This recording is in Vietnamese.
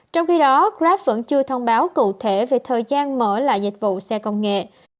trong khi đó grab vẫn chưa thông báo cụ thể về thời gian mở lại dịch vụ xe công nghệ